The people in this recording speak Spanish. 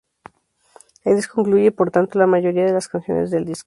El disco incluye, por tanto, la mayoría de las canciones del disco.